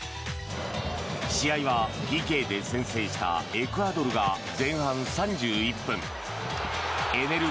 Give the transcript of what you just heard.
試合はＰＫで先制したエクアドルが前半３１分エネル